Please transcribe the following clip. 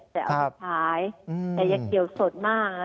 แต่เอาให้ขายแต่อย่าเกี่ยวสดมาก